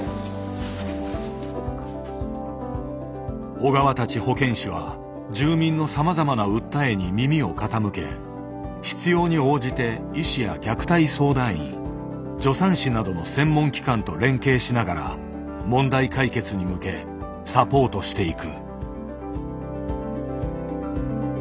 小川たち保健師は住民のさまざまな訴えに耳を傾け必要に応じて医師や虐待相談員助産師などの専門機関と連携しながら問題解決に向けサポートしていく。